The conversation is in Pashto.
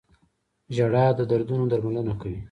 • ژړا د دردونو درملنه کوي.